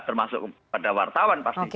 termasuk pada wartawan pasti